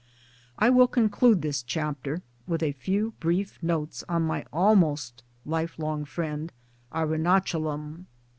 I will conclude this chapter with 1 a few brief notes on my almost ilife long friend Arundchalam.